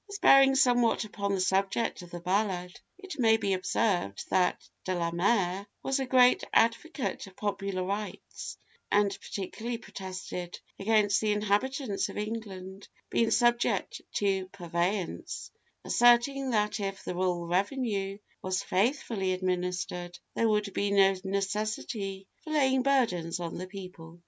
As bearing somewhat upon the subject of the ballad, it may he observed that De la Mare was a great advocate of popular rights, and particularly protested against the inhabitants of England being subject to 'purveyance,' asserting that 'if the royal revenue was faithfully administered, there could be no necessity for laying burdens on the people.